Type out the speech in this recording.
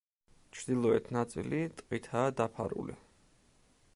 ჩრდილოეთ ნაწილი ტყითაა დაფარული.